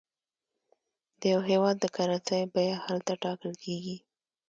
د یو هېواد د کرنسۍ بیه هلته ټاکل کېږي.